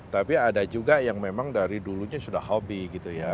tapi ada juga yang memang dari dulunya sudah hobi gitu ya